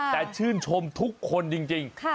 แต่ชื่นชมทุกคนจริง